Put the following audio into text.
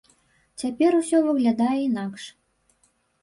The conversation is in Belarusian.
Цяпер усё выглядае інакш.